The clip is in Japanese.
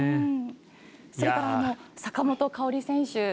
それから、坂本花織選手。